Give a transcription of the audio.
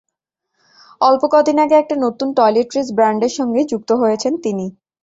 অল্প কদিন আগে একটা নতুন টয়লেট্রিজ ব্রান্ডের সঙ্গে যুক্ত হয়েছেন তিনি।